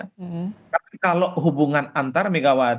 tapi kalau hubungan antara megawati dan prabowo